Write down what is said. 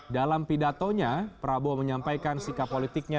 dalam pidatonya prabowo menyampaikan sikap politiknya